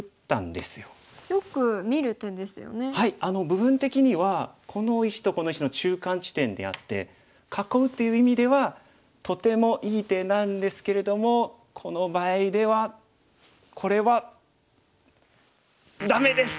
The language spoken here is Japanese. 部分的にはこの石とこの石の中間地点であって囲うっていう意味ではとてもいい手なんですけれどもこの場合ではこれはダメです！